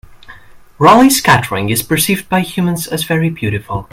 Raleigh scattering is perceived by humans as very beautiful.